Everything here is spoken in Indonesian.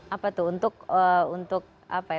apa tuh untuk apa ya